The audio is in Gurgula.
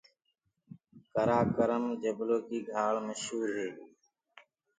ڪرآڪرم جبلو ڪيٚ گھآݪ مشوُر هي۔